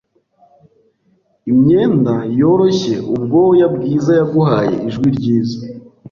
Imyenda yoroshye ubwoya bwizaYaguhaye ijwi ryiza